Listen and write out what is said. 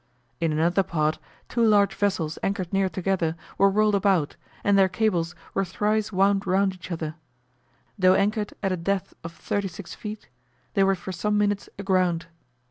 In another part, two large vessels anchored near together were whirled about, and their cables were thrice wound round each other; though anchored at a depth of 36 feet, they were for some minutes aground.